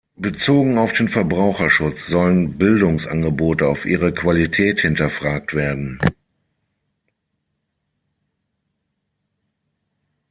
Bezogen auf den Verbraucherschutz sollen Bildungsangebote auf ihre Qualität hinterfragt werden.